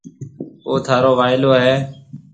اي ٿارو وائيلو هيَ۔